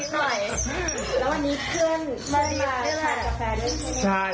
แล้ววันนี้เพื่อนมาริฟท์กาแฟด้วยใช่มั้ย